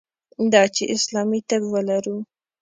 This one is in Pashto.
دا چې اسلامي طب ولرو.